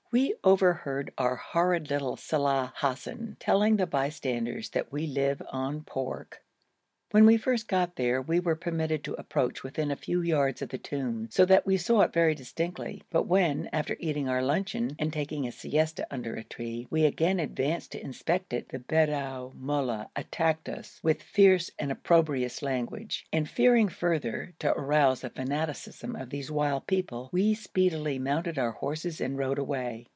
We overheard our horrid little Saleh Hassan telling the bystanders that we live on pork. When we first got there, we were permitted to approach within a few yards of the tomb, so that we saw it very distinctly; but when, after eating our luncheon, and taking a siesta under a tree, we again advanced to inspect it, the Bedou mollah attacked us with fierce and opprobrious language, and, fearing further to arouse the fanaticism of these wild people, we speedily mounted our horses and rode away.